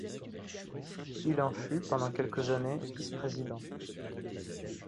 Il en fut pendant quelques années vice-président.